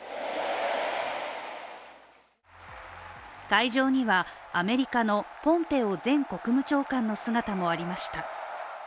会場にはアメリカのポンペオ前国務長官の姿もありました。